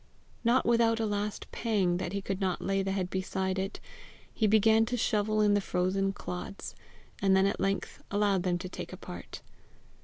Not without a last pang that he could not lay the head beside it, he began to shovel in the frozen clods, and then at length allowed them to take a part.